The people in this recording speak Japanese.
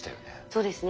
そうですね